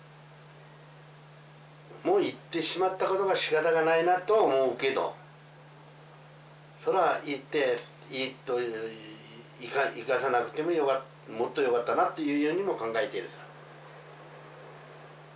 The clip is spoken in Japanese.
もう行ってしまったことはしかたがないなと思うけどそら行っていいという行かさなくてももっとよかったなというようにも考えているさ。